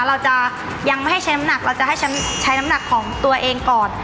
เราจะยังไม่ให้แชมป์หนักเราจะให้ใช้น้ำหนักของตัวเองก่อน